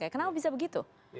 kenapa bisa begitu